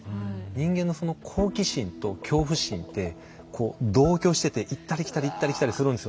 人間のその好奇心と恐怖心ってこう同居してて行ったり来たり行ったり来たりするんですよね。